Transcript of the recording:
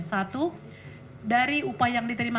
satu dari upaya yang diterima